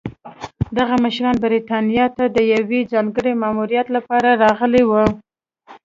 دغه مشران برېټانیا ته د یوه ځانګړي ماموریت لپاره راغلي وو.